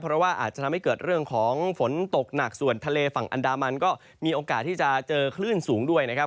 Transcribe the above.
เพราะว่าอาจจะทำให้เกิดเรื่องของฝนตกหนักส่วนทะเลฝั่งอันดามันก็มีโอกาสที่จะเจอคลื่นสูงด้วยนะครับ